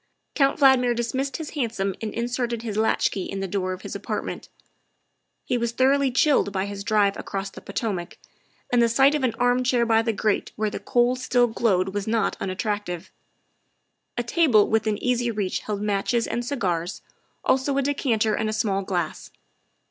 Count Valdmir dismissed his hansom and inserted his latchkey in the door of his apartment. He was thor oughly chilled by his drive across the Potomac, and the sight of an armchair by the grate where the coals still glowed was not unattractive. A table within easy reach held matches and cigars, also a decanter and a small glass.